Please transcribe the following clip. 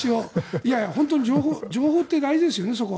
いやいや、本当に情報って大事ですよね。